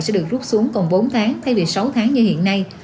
sẽ được rút xuống còn bốn tháng thay vì sáu tháng như hiện nay